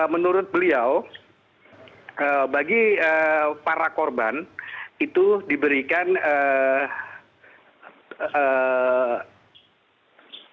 menurut beliau bagi para korban itu diberikan biasis dua untuk anak anak yang masih sekolah